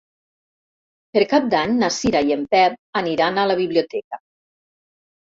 Per Cap d'Any na Cira i en Pep aniran a la biblioteca.